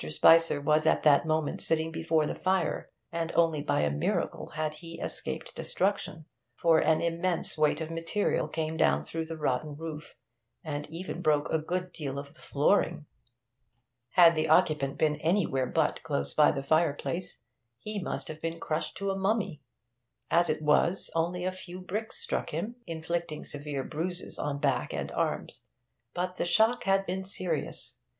Spicer was at that moment sitting before the fire, and only by a miracle had he escaped destruction, for an immense weight of material came down through the rotten roof, and even broke a good deal of the flooring. Had the occupant been anywhere but close by the fireplace, he must have been crushed to a mummy; as it was, only a few bricks struck him, inflicting severe bruises on back and arms. But the shock had been serious.